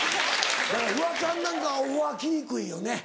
フワちゃんなんかはオファー来にくいよね。